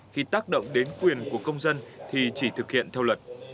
khi tác động đến quyền của công dân thì chỉ thực hiện theo luật